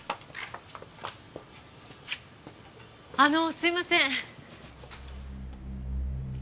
あのすいません。